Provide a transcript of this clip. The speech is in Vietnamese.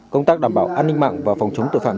công tác đảm bảo an ninh mạng và phòng chống tội phạm